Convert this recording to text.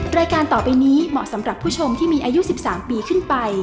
รายการต่อไปนี้เหมาะสำหรับผู้ชมที่มีอายุ๑๓ปีขึ้นไป